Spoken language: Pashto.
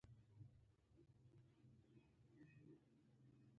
• د دې دوام تر معجزې کم څه ته اړتیا نه درلوده.